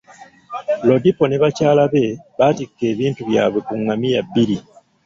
Lodipo ne bakyala be, baatikka ebintu byabwe ku ngamiya bbiri.